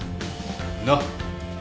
なっ？